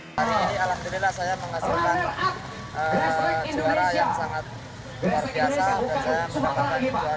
sebenarnya saya menghasilkan juara yang sangat luar biasa dan saya merupakan juara umum sepeda motor